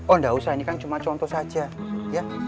oh enggak usah ini kan cuma contoh saja ya